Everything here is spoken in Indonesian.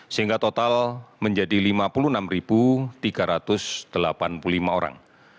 sehingga total menjadi lima puluh enam tiga ratus delapan puluh lima orang